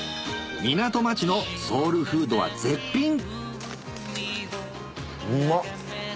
港町のソウルフードは絶品うまっ！